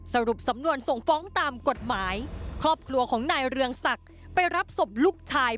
สรุปสำนวนส่งฟ้องตามกฎหมายครอบครัวของนายเรืองศักดิ์ไปรับศพลูกชาย